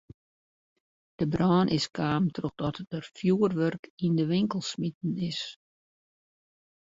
De brân is kaam trochdat der fjurwurk yn de winkel smiten is.